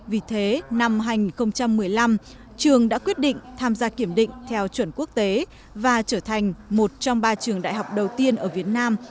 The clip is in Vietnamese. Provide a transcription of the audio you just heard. vì thế năm hai nghìn một mươi năm trường đã quyết định tham gia kiểm định theo chuẩn quốc tế và trở thành một trong ba trường đại học đầu tiên ở việt nam